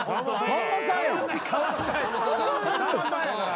さんまさんやから。